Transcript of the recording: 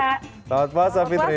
selamat puasa fitri